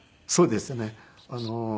そうですね。